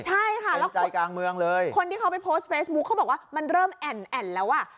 ใช่ค่ะแล้วคนที่เขาไปโพสต์เฟซบุ๊คเขาบอกว่ามันเริ่มแอ่นแล้ว